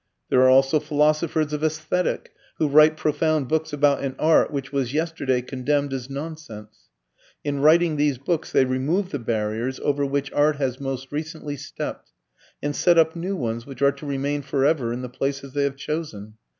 There are also philosophers of aesthetic who write profound books about an art which was yesterday condemned as nonsense. In writing these books they remove the barriers over which art has most recently stepped and set up new ones which are to remain for ever in the places they have chosen.